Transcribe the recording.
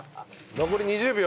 残り２０秒。